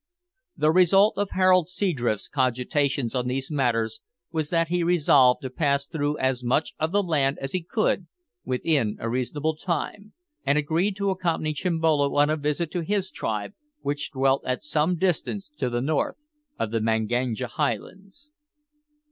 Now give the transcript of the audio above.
The result of Harold Seadrift's cogitations on these matters was that he resolved to pass through as much of the land as he could within a reasonable time, and agreed to accompany Chimbolo on a visit to his tribe, which dwelt at some distance to the north of the Manganja highlands.